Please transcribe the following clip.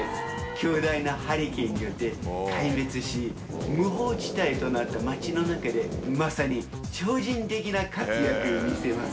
巨大なハリケーンによって壊滅し、無法地帯となった町の中で、まさに超人的な活躍を見せます。